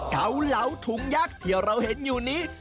เกาเหลาถุงยักษ์ที่เราเห็นอยู่นี้